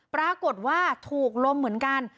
ปรากฏว่าถูกลมเหมือนกัน